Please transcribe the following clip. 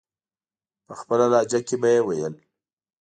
په خپله لهجه به یې ویل.